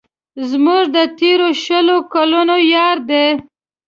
زموږ د تېرو شلو کلونو یار دی.